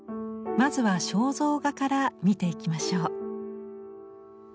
まずは肖像画から見ていきましょう。